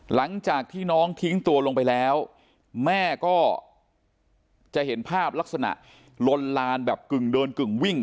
หลังจากที่น้องทิ้งตัวลงไปแล้วแม่ก็จะเห็นภาพลักษณะลนลานแบบกึ่งเดินกึ่งวิ่ง